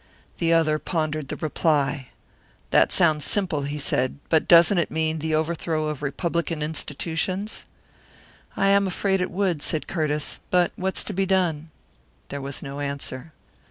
The other pondered the reply. "That sounds simple," he said. "But doesn't it mean the overthrow of Republican institutions?" "I am afraid it would," said Curtiss. "But what's to be done?" There was no answer.